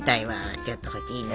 ちょっと欲しいな。